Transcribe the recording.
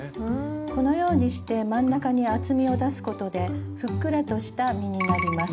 このようにして真ん中に厚みを出すことでふっくらとした実になります。